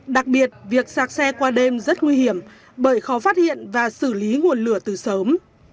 đặc biệt việc sạc xe qua đêm rất nguy hiểm bởi khó phát hiện và xử lý nguồn lửa từ sớm